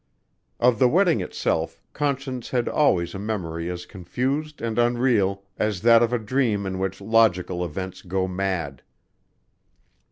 Of the wedding itself, Conscience had always a memory as confused and unreal as that of a dream in which logical events go mad.